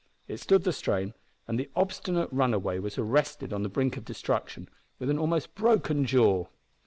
It stood the strain, and the obstinate runaway was arrested on the brink of destruction with an almost broken jaw.